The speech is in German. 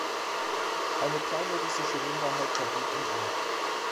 Eine kleine russische Minderheit verblieb im Ort.